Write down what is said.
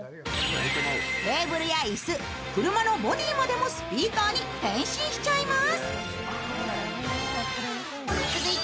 テーブルや椅子、車のボディまでもスピーカーに変身しちゃいます。